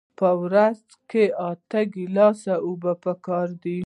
په ورځ کې اته ګیلاسه اوبه پکار دي